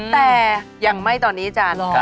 แต่อย่างไม่ตอนนี้จัน